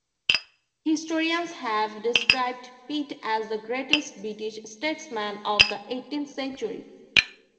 Historians have described Pitt as the greatest British statesman of the eighteenth century.